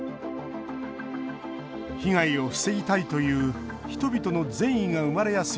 被害を防ぎたいという人々の善意が生まれやすい災害時。